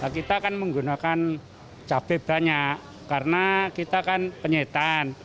kita kan menggunakan cabai banyak karena kita kan penyetan